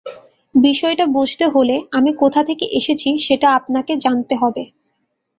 বিষয়টা বুঝতে হলে আমি কোথা থেকে এসেছি, সেটা আপনাকে জানতে হবে।